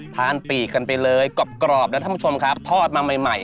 ทานปีกกันไปเลยกรอบกรอบนะท่านผู้ชมครับทอดมาใหม่